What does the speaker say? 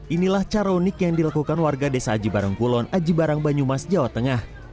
inilah cara unik yang dilakukan warga desa aji barangkulon aji barang banyumas jawa tengah